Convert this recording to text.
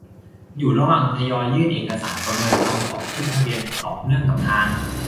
อยู่ระหว่างทยอยยื่นเอกสารประเมินคำขอขึ้นทะเบียนต่อเนื่องกับทาง